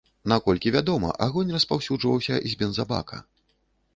Наколькі вядома, агонь распаўсюджваўся з бензабака.